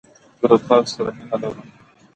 افغانستان کې چار مغز د چاپېریال د تغیر یوه نښه ده.